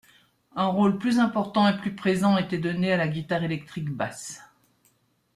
Un rôle plus important et plus présent était donné à la guitare électrique basse.